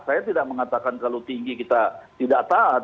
saya tidak mengatakan kalau tinggi kita tidak taat